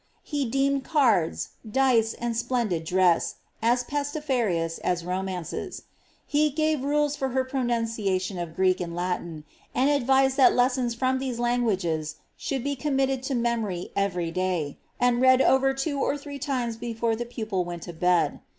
He deemed cards, dice, and splendid dress, m pestiferous as romances. He gave rules for her pronanciation of Gifd^ and Latin, and advised that lessons firom these languages should becon niitted to memory every day, and read over two or three times before the pupil went to bed.